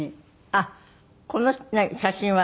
あっこの写真は。